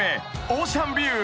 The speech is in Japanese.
［オーシャンビュー。